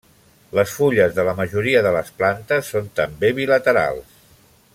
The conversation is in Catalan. Les fulles de la majoria de les plantes són també bilaterals.